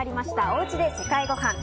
おうちで世界ごはん。